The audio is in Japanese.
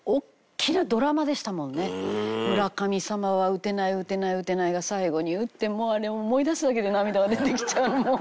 村神様は打てない打てない打てないが最後に打ってもうあれ思い出すだけで涙が出てきちゃう。